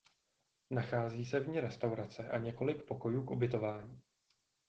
Nachází se v ní restaurace a několik pokojů k ubytování.